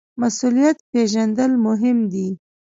مسوولیت پیژندل مهم دي